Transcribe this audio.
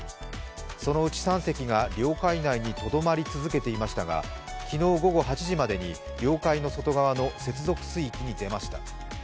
そのうち３隻が領海内にとどまり続けていましたが、昨日午後８時までに領海の外側の接続水域に出ました。